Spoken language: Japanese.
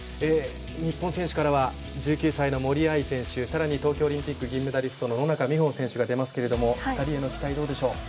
日本選手からは１９歳の森秋彩選手さらに東京オリンピック銀メダリストの野中生萌選手が出ますけども２人への期待、どうでしょう？